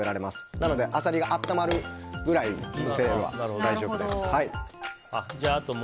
なのでアサリが温まるぐらいにすれば大丈夫です。